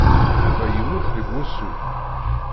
Yuba yemmut deg wusu.